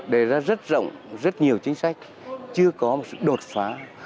đề ra rất rộng rất nhiều chính sách chưa có một sự đột phá